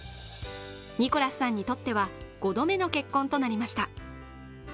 ニコラスさんにとっては５度目の結婚となりました。